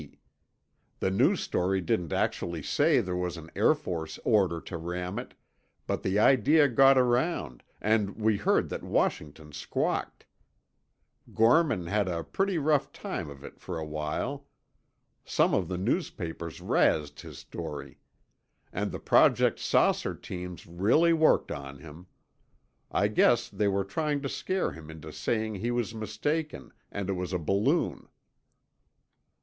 P. The news story didn't actually say there was an Air Force order to ram it, but the idea got around, and we heard that Washington squawked. Gorman had a pretty rough time of it for a while. Some of the newspapers razzed his story. And the Project 'Saucer' teams really worked on him. I guess they were trying to scare him into saying he was mistaken, and it was a balloon."